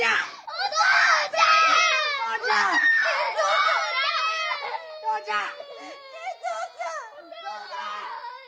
お父ちゃん！